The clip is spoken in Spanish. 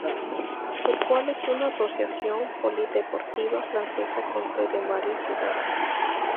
El cual es una asociación polideportiva francesa con sede en varias ciudades.